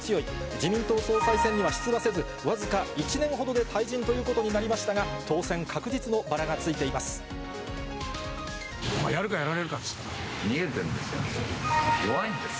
自民党総裁選には出馬せず、僅か１年ほどで退陣ということになりましたが、やるかやられるかです。